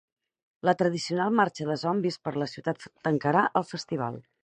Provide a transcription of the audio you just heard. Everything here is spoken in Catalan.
La tradicional marxa de zombis per la ciutat tancarà el Festival.